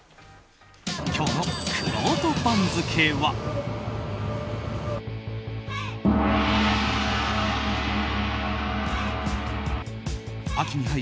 今日のくろうと番付は。